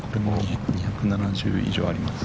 ２７０以上あります。